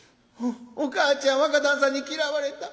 『おかあちゃん若旦さんに嫌われた。